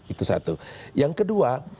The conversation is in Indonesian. itu satu yang kedua